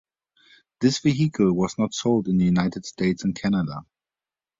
This vehicle was not sold in the United States and Canada.